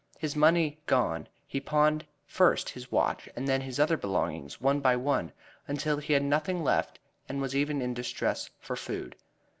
His money gone, he pawned first his watch and then his other belongings, one by one, until he had nothing left, and was even in distress for food.